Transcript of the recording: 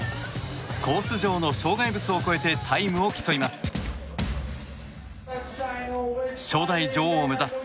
コース上の障害物を越えてタイムを競います。